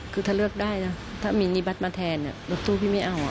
คือถ้าเลือกได้นะถ้ามีนิบัตรมาแทนรถตู้พี่ไม่เอา